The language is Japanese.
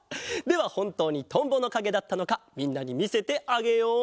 ではほんとうにトンボのかげだったのかみんなにみせてあげよう！